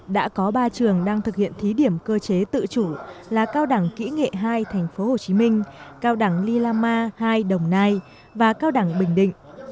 đã có ba trường đang thực hiện thí điểm cơ chế tự chủ là cao đẳng kỹ nghệ hai tp hcm cao đẳng lila ma hai đồng nai và cao đẳng bình định